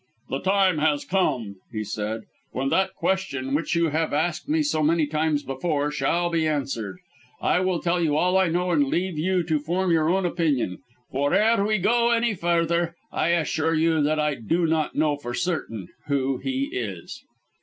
"The time has come," he said, "when that question, which you have asked me so many times before, shall be answered. I will tell you all I know, and leave you to form your own opinion. For ere we go any further, I assure you that I do not know for certain who he is!"